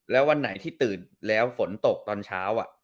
แล้ววันไหนที่ตื่นแล้วฝนตกตอนเช้า